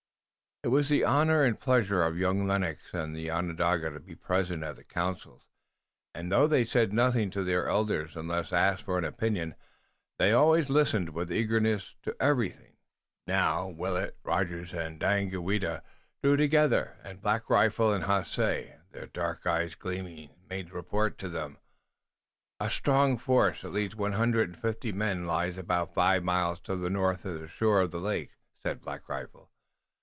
It was the honor and pleasure of young Lennox and the Onondaga to be present at the councils, and though they said nothing to their elders unless asked for an opinion, they always listened with eagerness to everything. Now Willet, Rogers and Daganoweda drew together, and Black Rifle and Haace, their dark eyes gleaming, made report to them. "A strong force, at least one hundred and fifty men, lies about five miles to the north, on the shore of the lake," said Black Rifle.